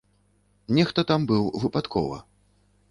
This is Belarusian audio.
Нехта там быў выпадкова.